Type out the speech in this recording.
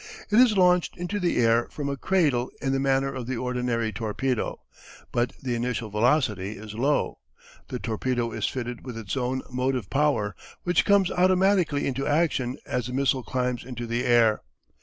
It is launched into the air from a cradle in the manner of the ordinary torpedo, but the initial velocity is low. The torpedo is fitted with its own motive power, which comes automatically into action as the missile climbs into the air.